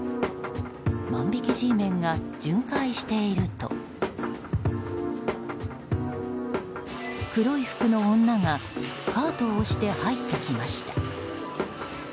万引きＧメンが巡回していると黒い服の女がカートを押して入ってきました。